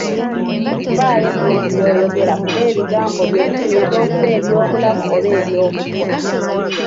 Faayo nnyo ku by'oyogera kuba ebigambo byo biyinza okuba eby'obulamu oba eby'obutwa.